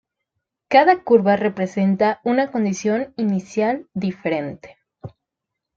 Cada curva representa una condición inicial diferente.